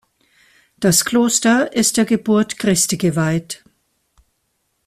Das Kloster ist der Geburt Christi geweiht.